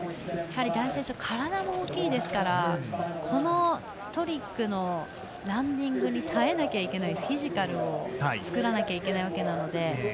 男子選手は体も大きいですからこのトリックのランディングに耐えなきゃいけないフィジカルを作らないといけないわけなので。